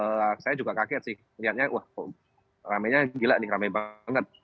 nah saya juga kaget sih lihatnya wah ramainya gila nih ramai banget